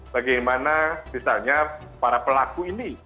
bagaimana misalnya para pelaku ini